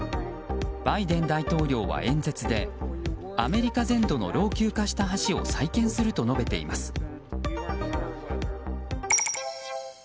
バイデン大統領は演説でアメリカ全土の老朽化した橋を再建すると述べています。